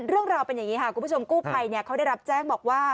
เรื่องราวเป็นอย่างนี้ครับกุม่าชมกู้ภัยเนี่ยเขาได้รับแจ้งบอกว่า